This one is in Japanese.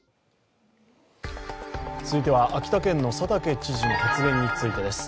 続いては、秋田県の佐竹知事の発言についてです。